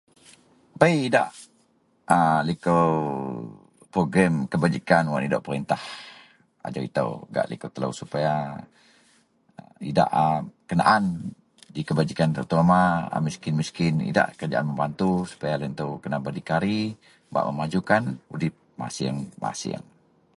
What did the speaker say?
Bei idak a likou program kebajikan wak nidok perintah ajau itou gak likou telou sepaya idak a kenaan kebajikan terutama a miskin-miskin idak kerajaan membantu sepaya loyen itou kena berdikari bak memajukan udip masieng-masieng